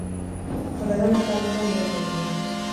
Toledon ezarri zuen bere hiriburua.